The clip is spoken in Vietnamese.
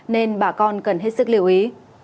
nên bà con cần hết sức lưu ý